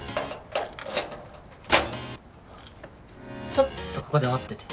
ちょっとここで待ってて。